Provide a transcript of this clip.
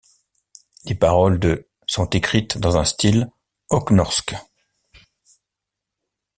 Les paroles de ' sont écrites dans un style høgnorsk.